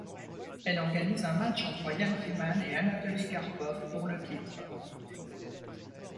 Elle organise un match entre Jan Timman et Anatoli Karpov pour le titre.